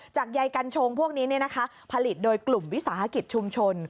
ใยกัญชงพวกนี้ผลิตโดยกลุ่มวิสาหกิจชุมชน